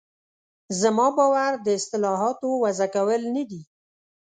زما باور د اصطلاحاتو وضع کول نه دي.